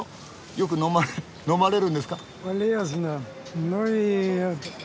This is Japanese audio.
よく飲まれるんですか？